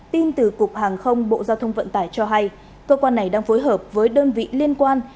tin từ cục hàng không bộ giao thông vận tải cho hay cơ quan này đang phối hợp với đơn vị liên quan